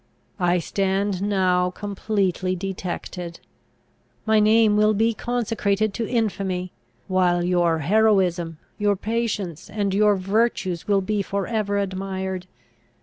I stand now completely detected. My name will be consecrated to infamy, while your heroism, your patience, and your virtues will be for ever admired.